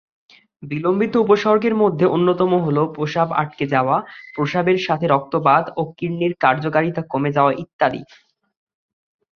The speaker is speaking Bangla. বিলম্বিত উপসর্গের মধ্যে অন্যতম হলো প্রস্রাব আটকে যাওয়া, প্রস্রাবের সাথে রক্তপাত ও কিডনির কার্যকারিতা কমে যাওয়া ইত্যাদি।